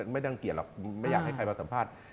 ไม่ดังเกลียดหรอกไม่อยากให้ใครมาสัมภาษณ์